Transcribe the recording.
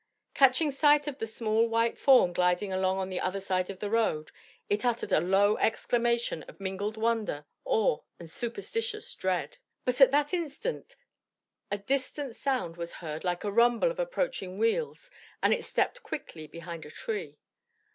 Catching sight of the small white form gliding along on the other side of the road, it uttered a low exclamation of mingled wonder, awe and superstitious dread. But at that instant a distant sound was heard like the rumble of approaching wheels, and it stepped quickly behind a tree.